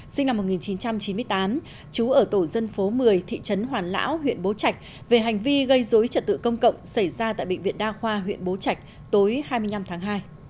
sinh năm một nghìn chín trăm chín mươi tám chú ở tổ dân phố một mươi thị trấn hoàn lão huyện bố trạch về hành vi gây dối trật tự công cộng xảy ra tại bệnh viện đa khoa huyện bố trạch tối hai mươi năm tháng hai